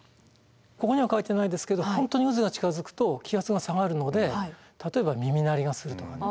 ここには書いてないですけど本当に渦が近づくと気圧が下がるので例えば耳鳴りがするとかね。